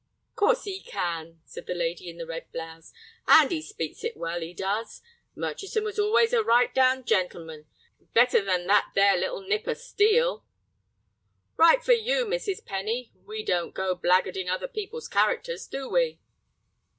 "Course 'e can," said the lady in the red blouse; "and 'e speaks it well, 'e does. Murchison was always a right down gentleman; better than that there little nipper, Steel." "Right for you, Mrs. Penny. We don't go blackguardin' other people's characters, do we?"